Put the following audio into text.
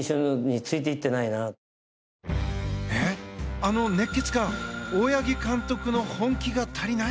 あの熱血漢大八木監督が本気が足りない？